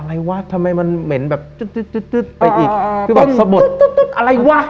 อะไรวะทำไมมันเหม็นแบบจึ๊ดไปอีกคือบอกสะบดอะไรวะ